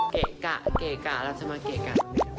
เกะกะเราจะมาเกะกะ